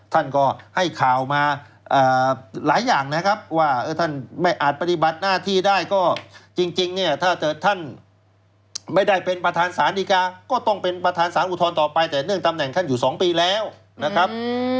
ท่านก็ให้ข่าวมาหลายอย่างนะครับว่าท่านไม่อาจปฏิบัติหน้าที่ได้ก็จริงเนี่ยถ้าเกิดท่านไม่ได้เป็นประธานสารดีกาก็ต้องเป็นประธานสารอุทธรณ์ต่อไปแต่เนื่องตำแหน่งท่านอยู่๒ปีแล้วนะครับ